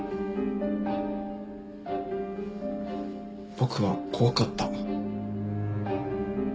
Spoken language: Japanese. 僕は怖かった。